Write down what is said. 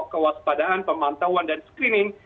kewaspadaan pemantauan dan screening